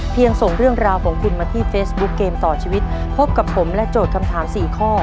ส่งเรื่องราวของคุณมาที่เฟซบุ๊คเกมต่อชีวิตพบกับผมและโจทย์คำถามสี่ข้อ